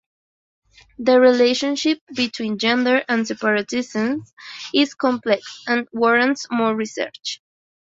The relationship between gender and separatism is complex and warrants more research.